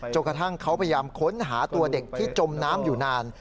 กระทั่งเขาพยายามค้นหาตัวเด็กที่จมน้ำอยู่นาน